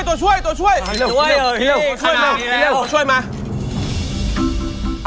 เร็วช่วยมา